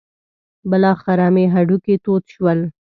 بالاخره مې هډوکي تود شول.